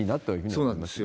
そうなんですよ。